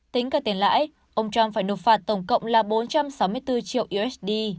tính cả tiền lãi ông trump phải nộp phạt tổng cộng là bốn trăm sáu mươi bốn triệu usd